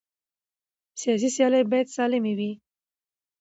سیاسي سیالۍ باید سالمه وي